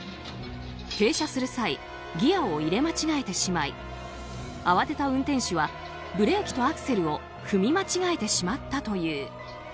停車する際ギアを入れ間違えてしまい慌てた運転手はブレーキとアクセルを踏み間違えてしまったという。